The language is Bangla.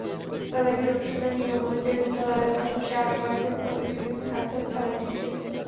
দাদাগিরি অনুষ্ঠানের নিয়ম অনুযায়ী রুনা লায়লার পাশাপাশি আরও কয়েকজন প্রতিযোগী থাকবেন খেলায়।